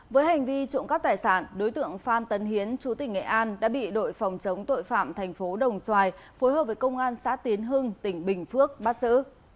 với hành vi trộm cắp tài sản đối tượng phan tấn hiến chú tỉnh nghệ an đã bị đội phòng chống tội phạm thành phố đồng xoài phối hợp với công an xã tiến hưng tỉnh bình phước bắt giữ